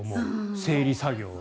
整理作業は。